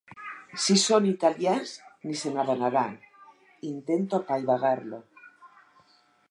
Si són italians ni se n'adonaran —intento apaivagar-lo—.